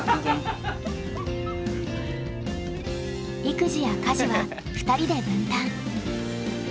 育児や家事は２人で分担。